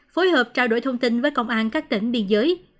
phối hợp trao đổi thông tin với công an các tỉnh biên giới